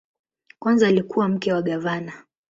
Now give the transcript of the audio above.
Kwanza alikuwa mke wa gavana.